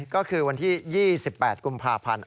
ก็คือวันที่๒๘กุมภาพันธ์